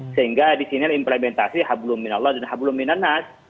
sehingga di sini implementasi hablu minallah dan hablu minannas